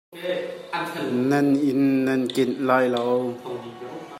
Nan inn nan kinh lai lo.